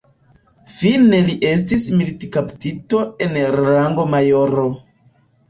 Fine li estis militkaptito en rango majoro.